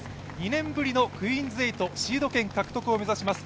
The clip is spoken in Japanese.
２年ぶりのクイーンズ８、シード権獲得を目指します。